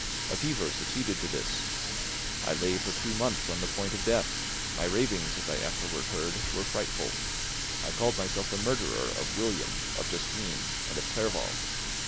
A fever succeeded to this. I lay for two months on the point of death; my ravings, as I afterwards heard, were frightful; I called myself the murderer of William, of Justine, and of Clerval.